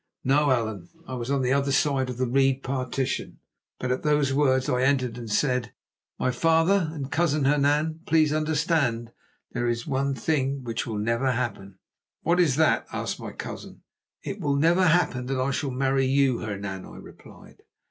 "No, Allan; I was the other side of the reed partition. But at those words I entered and said: 'My father and Cousin Hernan, please understand that there is one thing which will never happen.' "'What is that?' asked my cousin. "'It will never happen that I shall marry you, Hernan,' I replied.